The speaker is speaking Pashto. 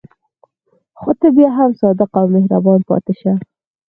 خو ته بیا هم صادق او مهربان پاتې شه.